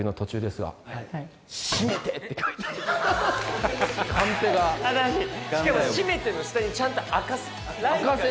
しかも「締めて！」の下にちゃんと赤線。